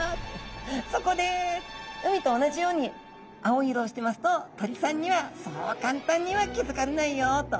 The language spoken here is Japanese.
そこで海と同じように青い色をしてますと鳥さんにはそう簡単には気付かれないよっと。